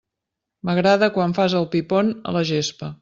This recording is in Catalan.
M'agrada quan fas el pi pont a la gespa.